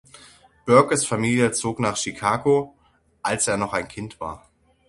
Burkes Familie zog nach Chicago, als er noch ein Kind war.